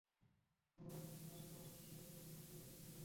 নগরের কোনো কোনো এলাকায় অবশ্য তুষারের পরিমাণ সেই রেকর্ডও ছাড়িয়ে যায়।